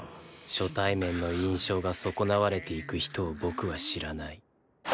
初対面の印象が損なわれていく人を僕は知らない